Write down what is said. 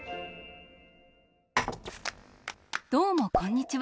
どうもこんにちは。